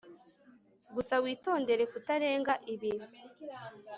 gusa witondere kutarenga ibi